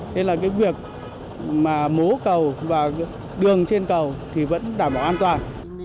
nên là cái việc mà mố cầu và đường trên cầu thì vẫn đảm bảo an toàn